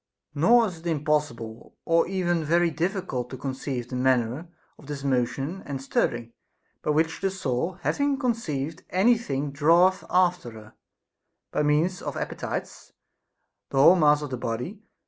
Nor is it impossible or even very difficult to con ceive the manner of this motion and stirring, by which the soul having conceived any thing draweth after her, by means of appetites, the whole mass of the body.